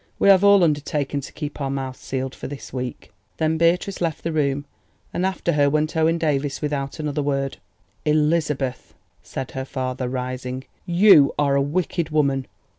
"We have all undertaken to keep our mouths sealed for this week." Then Beatrice left the room, and after her went Owen Davies without another word. "Elizabeth," said her father, rising, "you are a wicked woman!